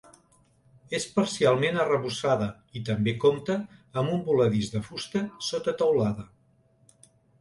És parcialment arrebossada i també compta amb un voladís de fusta sota teulada.